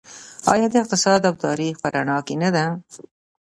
آیا د اقتصاد او تاریخ په رڼا کې نه ده؟